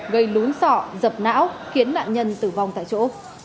gây lún sọ dập não khiến nạn nhân tử vong tại chỗ